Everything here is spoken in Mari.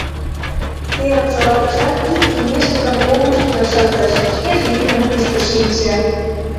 Терым шогалтышат, ик имнешкыжым олмышкыжо шындыш, шкеже имньым кушкыж шинче.